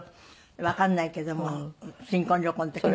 わからないけども新婚旅行の時の。